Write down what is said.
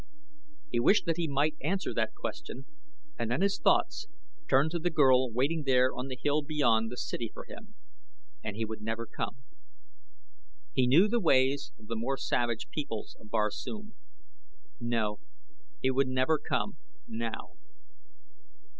He wished that he might answer that question and then his thoughts turned to the girl waiting there on the hill beyond the city for him and he would never come. He knew the ways of the more savage peoples of Barsoom. No, he would never come, now.